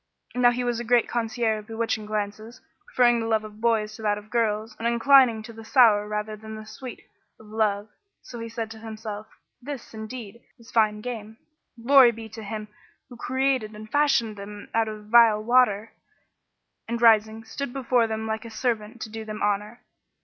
Now he was a great connoisseur of bewitching glances, preferring the love of boys to that of girls and inclining to the sour rather than the sweet of love. So he said to himself, "This, indeed, is fine game. Glory be to Him who created and fashioned them out of vile water!"[FN#16] and rising stood before them like a servant to do them honour.